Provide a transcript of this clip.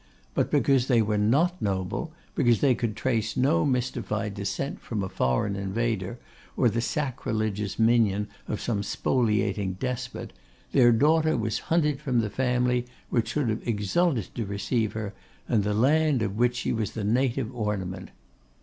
But because they were not noble, because they could trace no mystified descent from a foreign invader, or the sacrilegious minion of some spoliating despot, their daughter was hunted from the family which should have exulted to receive her, and the land of which she was the native ornament.